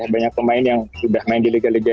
banyak pemain yang sudah main di liga liga